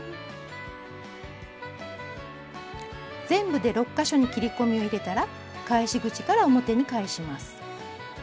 全部で６か所に切り込みを入れたら返し口から表に返します。